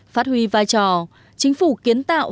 phát huy vai trò chính phủ kiến tạo